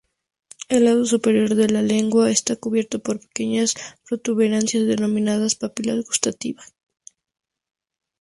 El lado superior de la lengua está cubierto por pequeñas protuberancias denominadas papilas gustativas.